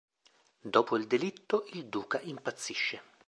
Dopo il delitto, il duca impazzisce.